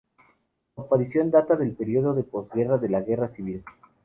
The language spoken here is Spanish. Su aparición data del periodo de postguerra de la Guerra Civil.